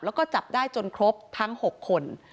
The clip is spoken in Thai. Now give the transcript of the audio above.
แล้วก็จับได้จนครบทั้ง๖คน